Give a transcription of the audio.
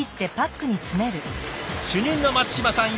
主任の松島さん